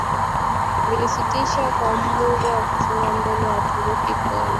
vilisitisha kwa muda kusonga mbele kwa Waturuki kwenda